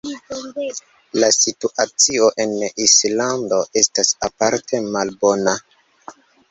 La situacio en Islando estas aparte malbona.